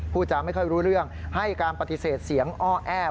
จะไม่ค่อยรู้เรื่องให้การปฏิเสธเสียงอ้อแอ้